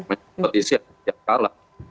kalau yang menang atau siap siap kalah